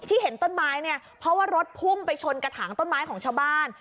เห็นต้นไม้เนี่ยเพราะว่ารถพุ่งไปชนกระถางต้นไม้ของชาวบ้าน